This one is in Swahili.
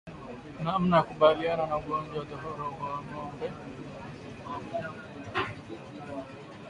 Namna ya kukabiliana na ugonjwa wa ndorobo kwa ngombe